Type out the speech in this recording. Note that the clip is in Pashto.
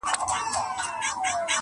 چي پرې تايٌید د میني ولګوم داغ یې کړمه,